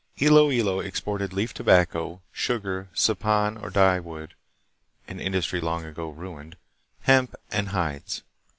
Iloilo exported leaf tobacco, sugar, sapan or dyewood (an industry long ago ruined), hemp, and hides.